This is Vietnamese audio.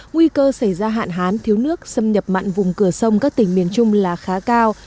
nguy cơ xảy ra hạn hán thiếu nước xâm nhập mặn vùng cửa sông các tỉnh miền trung là khá cao